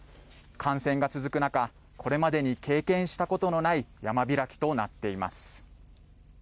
感染が続く中これまでに経験したことのない山開きとなっています。